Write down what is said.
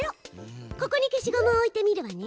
ここに消しゴムを置いてみるわね。